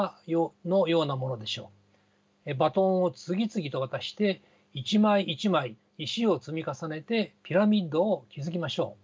バトンを次々と渡して一枚一枚石を積み重ねてピラミッドを築きましょう。